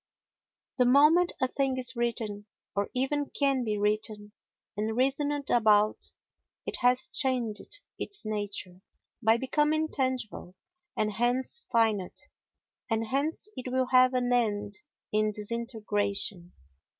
The moment a thing is written, or even can be written, and reasoned about, it has changed its nature by becoming tangible, and hence finite, and hence it will have an end in disintegration.